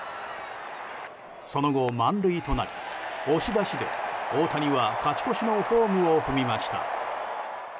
その後、満塁となり押し出しで大谷は勝ち越しのホームを踏みました。